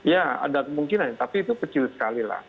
ya ada kemungkinan tapi itu kecil sekali lah